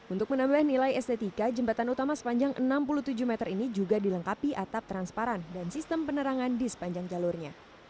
untuk menambah nilai estetika jembatan utama sepanjang enam puluh tujuh meter ini juga dilengkapi atap transparan dan sistem penerangan di sepanjang jalurnya